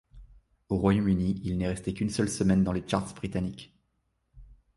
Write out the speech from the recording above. Au Royaume-Uni, il n'est resté qu'une seule semaine dans les charts britanniques.